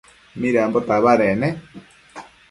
Midambo tabadec ne?